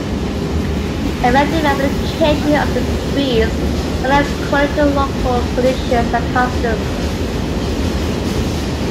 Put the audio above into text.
Effective application of the decrees varied according to local conditions and customs.